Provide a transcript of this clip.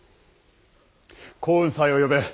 耕雲斎を呼べ。